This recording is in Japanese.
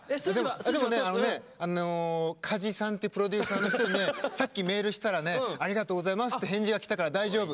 でもねあのね加地さんっていうプロデューサーの人にねさっきメールしたらね「ありがとうございます」って返事が来たから大丈夫。